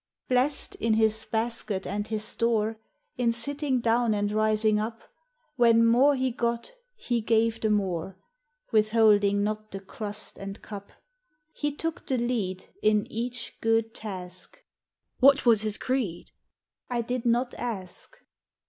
Blessed " in his basket and his store," In sitting down and rising up; When more he got, he gave the more, Withholding not the crust and cup. SABBATH: WORSHIP: CREED. l>33 He took the lead In each good task. " What was his creed?" I did not ask.